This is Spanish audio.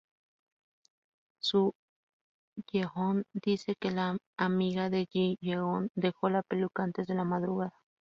Su-hyeon dice que la amiga de Ji-hyeon dejó la peluca antes de la madrugada.